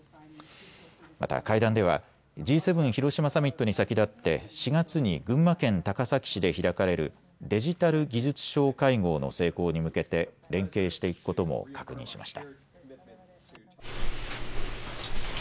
また会談ではＧ７広島サミットに先立って４月に群馬県高崎市で開かれるデジタル・技術相会合の成功に向けて連携していくことも確認しました。